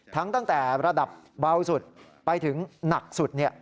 ตั้งแต่ระดับเบาสุดไปถึงหนักสุด